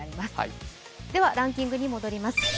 ではランキングに戻ります。